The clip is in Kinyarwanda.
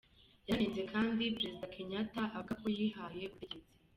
Yananenze kandi Perezida Kenyatta avuga ko yihaye ubutegetsi.